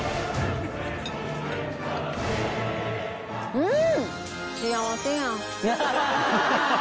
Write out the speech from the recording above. うん！